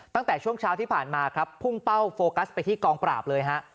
ตั้งแต่ช่วงเช้าที่ผ่านมาครับพุ่งเป้าโฟกัสไปที่กองปราบเลยฮะ